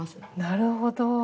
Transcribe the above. なるほど。